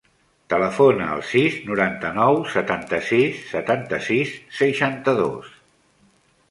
Telefona al sis, noranta-nou, setanta-sis, setanta-sis, seixanta-dos.